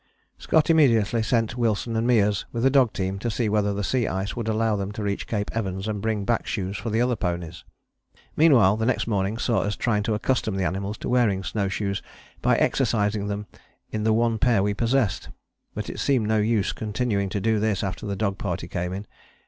Scott immediately sent Wilson and Meares with a dog team to see whether the sea ice would allow them to reach Cape Evans and bring back shoes for the other ponies. Meanwhile the next morning saw us trying to accustom the animals to wearing snow shoes by exercising them in the one pair we possessed. But it seemed no use continuing to do this after the dog party came in.